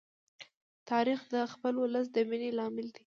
تاریخ د خپل ولس د مینې لامل دی.